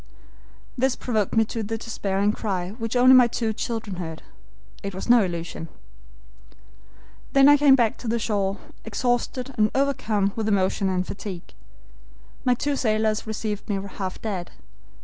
"This provoked me to the despairing cry, which only my two children heard. It was no illusion. "Then I came back to the shore, exhausted and overcome with emotion and fatigue. My two sailors received me half dead.